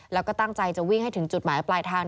แล้วก็ตั้งใจจะวิ่งให้ถึงจุดหมายปลายทาง